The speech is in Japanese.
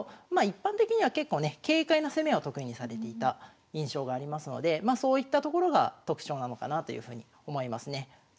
一般的には結構ね軽快な攻めを得意にされていた印象がありますのでそういったところが特徴なのかなというふうに思いますね。